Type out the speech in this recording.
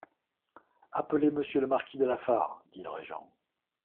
Appelez monsieur le marquis de Lafare, dit le régent.